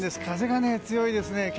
風が強いですね。